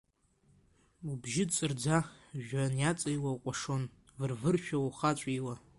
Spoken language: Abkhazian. Убжьы ҵырӡа жәҩан иаҵыҩҩуа, укәашон вырвыршәа ухаҵәиуа.